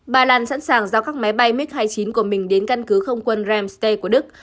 ba lan sẵn sàng giao các máy bay mig hai mươi chín của mình đến căn cứ không quân ramstay của đức